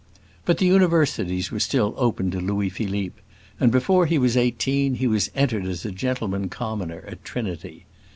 But the universities were still open to Louis Philippe, and before he was eighteen he was entered as a gentleman commoner at Trinity.